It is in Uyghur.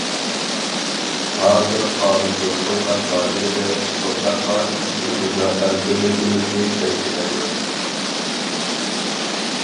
ھازىر قانۇن يول قويغان دائىرىدە ئىش قىلساقلا ھېچكىم بىزنىڭ ئەركىنلىكىمىزنى چەكلىمەيدۇ.